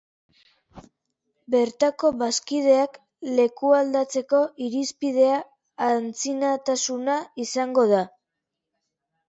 Bertako bazkideak lekualdatzeko irizpidea antzinatasuna izango da.